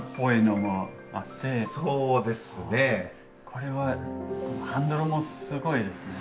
これはハンドルもすごいですね。